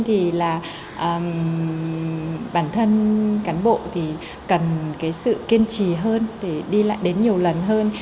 thì là bản thân cán bộ thì cần cái sự kiên trì hơn để đi lại đến nhiều lần hơn